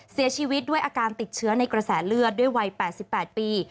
เสียชีวิตด้วยอาการติดเชื้อในกระแสเลือดด้วยวัย๘๘ปี